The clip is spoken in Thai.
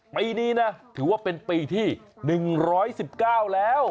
ปีนี้นะถือว่าเป็นปีที่๑๑๙แล้ว